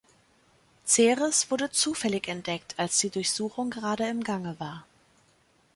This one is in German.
Ceres wurde zufällig entdeckt, als die Durchsuchung gerade im Gange war.